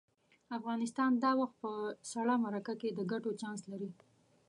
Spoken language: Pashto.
افغانستان دا وخت په سړه مرکه کې د ګټو چانس لري.